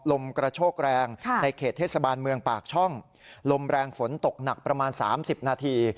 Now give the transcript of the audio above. ลมกระโชกแรงในเขตเทศบาลเมืองปากช่องลมแรงฝนตกหนักประมาณ๓๐นาที